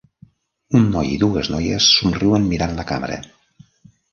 Un noi i dues noies somriuen mirant la càmera.